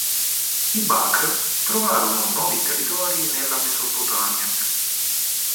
I Bakr trovarono nuovi territori nella Mesopotamia.